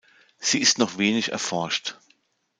Sie ist noch wenig erforscht.